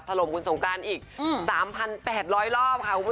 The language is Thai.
ลมคุณสงการอีก๓๘๐๐รอบค่ะคุณผู้ชม